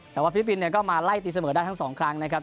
แต่ว่าฟิลิปปินส์ก็มาไล่ตีเสมอได้ทั้งสองครั้งนะครับ